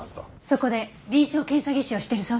そこで臨床検査技師をしてるそうです。